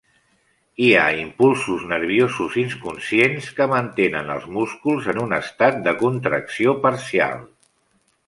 Hi ha impulsos nerviosos inconscients que mantenen els músculs en un estat de contracció parcial.